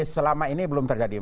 selama ini belum terjadi